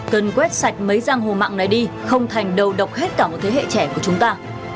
cần quét sạch mấy giang hổ mạng này đi không thành đầu độc hết cả một thế hệ trẻ của chúng ta